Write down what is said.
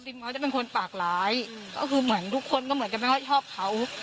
เขาจะเป็นคนปากร้ายก็คือเหมือนทุกคนก็เหมือนกันไม่ค่อยชอบเขา